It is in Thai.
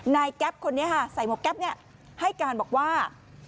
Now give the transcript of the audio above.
นายแก๊ปคนนี้ฮะใส่หมดแก๊ปเนี้ยให้การบอกว่า